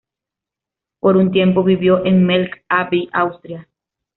Por un tiempo vivió en Melk Abbey, Austria.